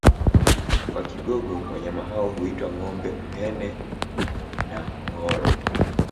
Kwa Kigogo wanyama hao huitwa ngombe mhene na ngholo